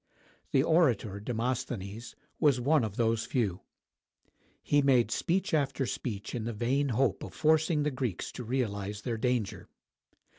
The orator Demosthenes was one of those few. He made speech after speech in the vain hope of forcing the Greeks to realize their danger.